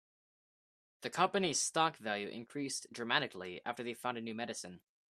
The company's stock value increased dramatically after they found a new medicine.